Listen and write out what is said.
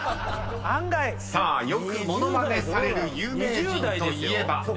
［さあよく物まねされる有名人といえば？］